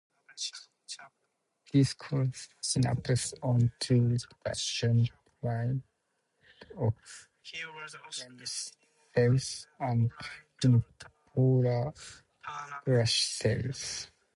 These cells synapse onto the dendrite of granule cells and unipolar brush cells.